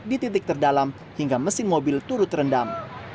di titik terdalam hingga mesin mobil turut terendam